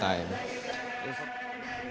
dan juga ini bersifat real time